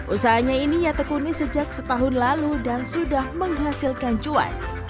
usahanya ini ia tekuni sejak setahun lalu dan sudah menghasilkan cuan